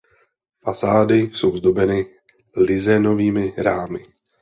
Fasády jsou zdobeny lizénovými rámy.